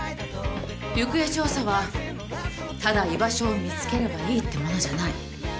行方調査はただ居場所を見つければいいってものじゃない。